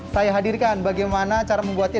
saya hadirkan bagaimana cara membuatnya